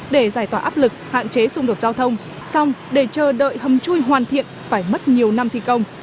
để giải tỏa áp lực hạn chế xung đột giao thông xong để chờ đợi hầm chui hoàn thiện phải mất nhiều năm thi công